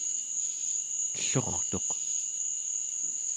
ellurtuq